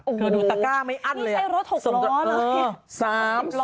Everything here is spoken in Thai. ดูตะก้าไม่อัดเลยสมมุตินี่ใช้รถหกล้อเลย